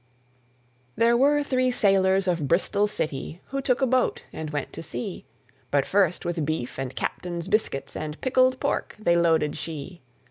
There were three sailors of Bristol city Who took a boat and went to sea. But first with beef and captain's biscuits And pickled pork they loaded she.